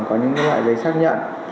có những loại giấy xác nhận